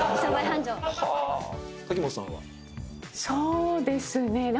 そうですね。